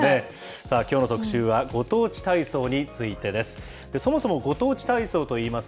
さあ、きょうの特集はご当地体操についてです。